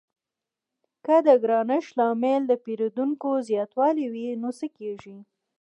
که د ګرانښت لامل د پیرودونکو زیاتوالی وي نو څه کیږي؟